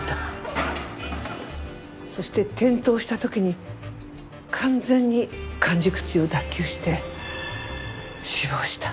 そして転倒した時に完全に環軸椎を脱臼して死亡した。